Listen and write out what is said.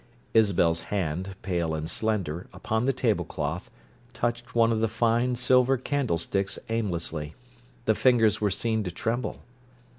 Isabel's hand, pale and slender, upon the tablecloth, touched one of the fine silver candlesticks aimlessly: the fingers were seen to tremble.